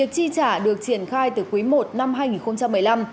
xã được triển khai từ quý i năm hai nghìn một mươi năm